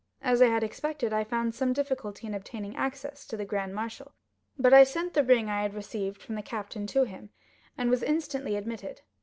As I had expected, I found some difficulty in obtaining access to the grand marshal; but I sent the ring I had received from the captain to him, and was instantly admitted.